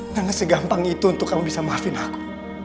karena segampang itu untuk kamu bisa maafin aku